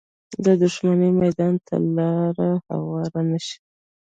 د دښمنۍ میدان ته لاره هواره نه شي